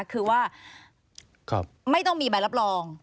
คือว่าไม่ต้องมีใบรับรอง